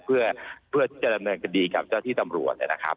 เพื่อเจริญกดีกับเจ้าที่ตำรวจนะครับ